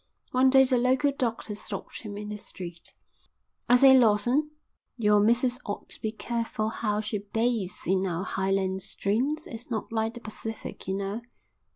One day the local doctor stopped him in the street. "I say, Lawson, your missus ought to be careful how she bathes in our highland streams. It's not like the Pacific, you know."